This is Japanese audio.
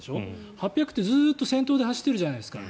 ８００ｍって、ずっと先頭で走ってるじゃないですか。